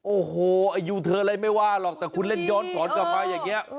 โอ้โหอายุเธออะไรไม่ว่าหรอกแต่คุณเล่นย้อนสอนกลับมาอย่างนี้